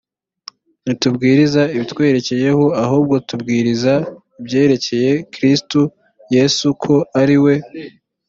ntitubwiriza ibitwerekeyeho ahubwo tubwiriza ibyerekeye kristo yesu ko ari we